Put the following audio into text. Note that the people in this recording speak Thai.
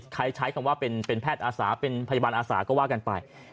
ใช้คำว่าเป็นแพทย์อาสาเป็นพยาบาลอาสาก็ว่ากันไป